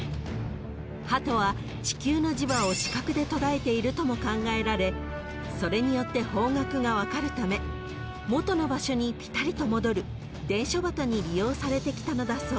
［ハトは地球の磁場を視覚でとらえているとも考えられそれによって方角が分かるため元の場所にぴたりと戻る伝書バトに利用されてきたのだそう］